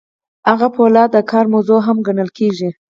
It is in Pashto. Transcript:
هلته فولاد د کار موضوع هم ګڼل کیږي.